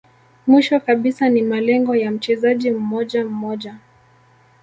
Mwisho kabisa ni malengo ya mchezaji mmoja mmoja